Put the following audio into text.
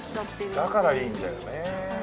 だからいいんだよね。